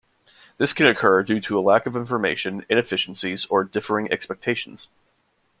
This can occur due to lack of information, inefficiencies, or differing expectations.